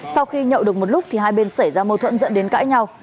sau khi nhậu được một lúc thì hai bên xảy ra mâu thuẫn dẫn đến cãi nhau